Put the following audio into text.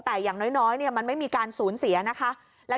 แต่อย่างน้อยมันไม่มีการสูญเสียนะคะ